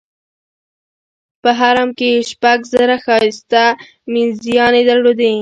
په حرم کې یې شپږ زره ښایسته مینځیاني درلودې.